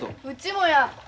うちもや。